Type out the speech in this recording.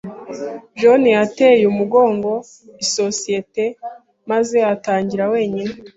John yateye umugongo isosiyete maze atangira wenyine.